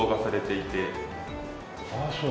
ああそう。